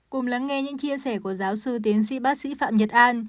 cùng lắng nghe những chia sẻ của giáo sư tiến sĩ bác sĩ phạm nhật an